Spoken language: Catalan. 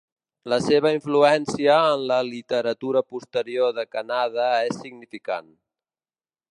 La seva influència en la literatura posterior de Kannada és significant.